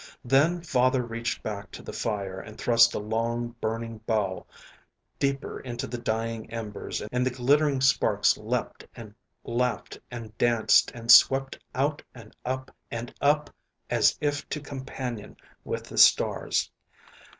Then father reached back to the fire and thrust a long, burning bough deeper into the dying embers and the glittering sparks leaped and laughed and danced and swept out and up and up as if to companion with the stars.